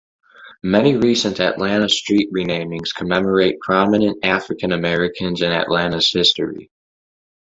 Many recent Atlanta street renamings commemorate prominent African Americans in Atlanta's history.